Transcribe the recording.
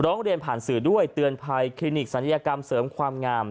ร้องเรียนผ่านสื่อด้วยเตือนภัยคลินิกศัลยกรรมเสริมความงาม